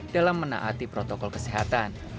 dalam menaati protokol kesehatan